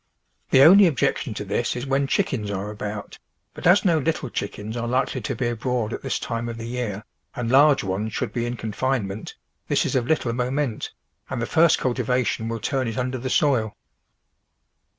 The only objection to this is when chickens are about, but as no little chickens are likely to be abroad at this time of the year, and large ones should be in confine ment, this is of little moment, and the first cultiva tion will turn it under the soil.